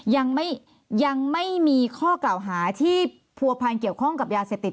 ยังไม่ยังไม่มีข้อกล่าวหาที่ผัวพันเกี่ยวข้องกับยาเสพติด